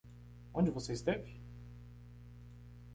Onde você esteve?